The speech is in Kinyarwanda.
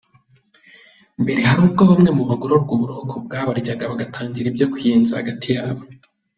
Mbere hari ubwo bamwe mu bagororwa uburoko bwabaryaga bagatangira ibyo kwiyenza hagati yabo.